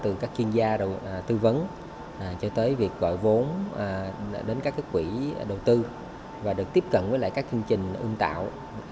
từ các chuyên gia tư vấn cho tới việc gọi vốn đến các cái quỹ đầu tư và được tiếp cận với lại các chương trình ương tạo